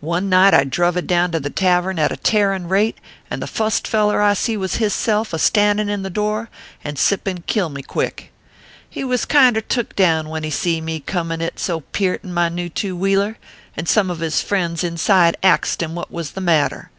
One night I druv down to the tavern at a tearin rate, and the fust feller I see was hisself, a standin in the door, and sippin kill me quick. He was kinder took down when he see me comin it so piert in my new two wheeler, and some of his friends inside axed him what was the matter.